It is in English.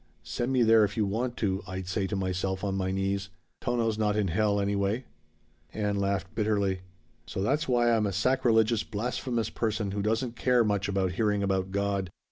'Send me there if you want to,' I'd say to myself on my knees, 'Tono's not in Hell, anyway.'" Ann laughed bitterly. "So that's why I'm a sacrilegious, blasphemous person who doesn't care much about hearing about God.